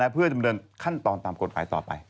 เพื่อดำเนินขั้นตอนตามกฎหมายต่อไป